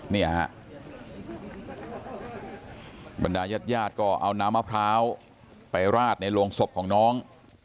เนี่ยฮะบรรดายาดก็เอาน้ำมะพร้าวไปราดในโรงศพของน้อง